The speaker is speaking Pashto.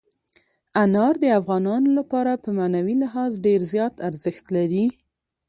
انار د افغانانو لپاره په معنوي لحاظ ډېر زیات ارزښت لري.